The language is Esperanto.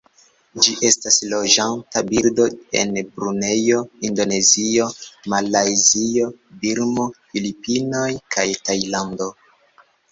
Ĝi estas loĝanta birdo en Brunejo, Indonezio, Malajzio, Birmo, Filipinoj kaj Tajlando.